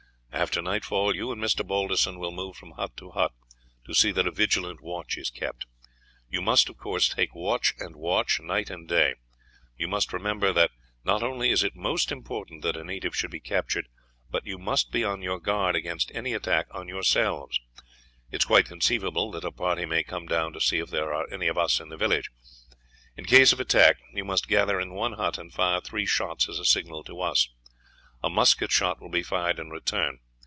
After nightfall you and Mr. Balderson will move from hut to hut, to see that a vigilant watch is kept. You must, of course, take watch and watch, night and day. You must remember that not only is it most important that a native should be captured, but you must be on your guard against an attack on yourselves. It is quite conceivable that a party may come down to see if there are any of us in the village. "In case of attack, you must gather in one hut, and fire three shots as a signal to us; a musket shot will be fired in return.